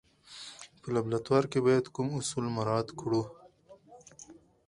په لابراتوار کې باید کوم اصول مراعات کړو.